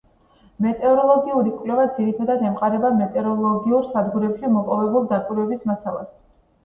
მეტეოროლოგიური კვლევა ძირითადად ემყარება მეტეოროლოგიურ სადგურებში მოპოვებულ დაკვირვების მასალას.